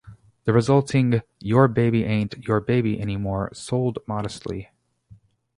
The resulting "Your Baby Ain't Your Baby Anymore" sold modestly.